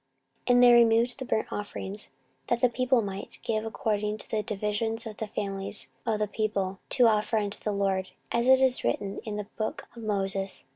14:035:012 And they removed the burnt offerings, that they might give according to the divisions of the families of the people, to offer unto the LORD, as it is written in the book of Moses.